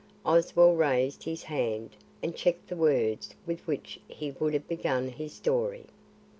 Oswald raised his hand and checked the words with which he would have begun his story.